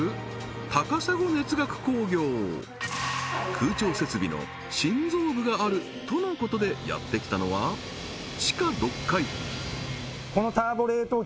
空調設備の心臓部があるとのことでやって来たのは地下６階